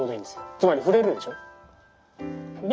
つまり振れるでしょ。